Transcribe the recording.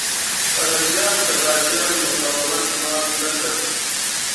پرنګیان د غازيانو مقاومت مات نه کړ.